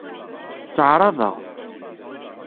Tteɛṛaḍeɣ.